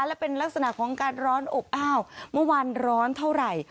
และเป็นลักษณะของการร้อนอบอ้าวเมื่อวานร้อนเท่าไหร่